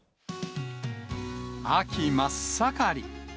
秋真っ盛り。